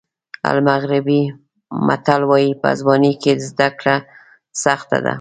المغربي متل وایي په ځوانۍ کې زده کړه سخته ده.